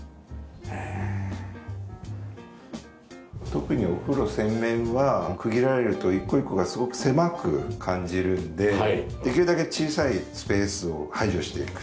特にお風呂洗面は区切られると一個一個がすごく狭く感じるのでできるだけ小さいスペースを排除していくっていう。